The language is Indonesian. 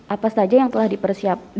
apa saja yang telah dipersiapkan